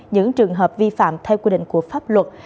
những trường hợp vi phạm theo quy định của pháp luật